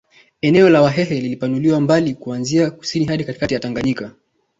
Eneo la Wahehe lilipanuliwa mbali kuanzia kusini hadi katikati ya Tangayika